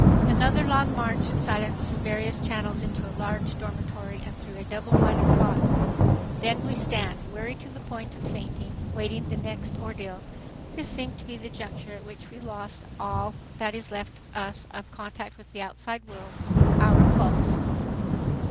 Another long march in silence through various channels into a large dormitory and through a double line of cots! Then we stand, weary to the point of fainting, waiting the next ordeal. This seemed to be the juncture at which we lost all that is left us of contact with the outside world,—our clothes.